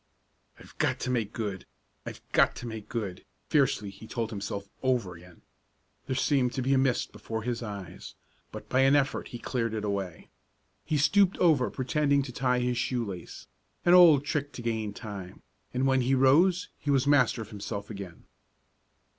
"I've got to make good! I've got to make good!" fiercely he told himself over again. There seemed to be a mist before his eyes, but by an effort he cleared it away. He stooped over pretending to tie his shoe lace an old trick to gain time and when he rose he was master of himself again.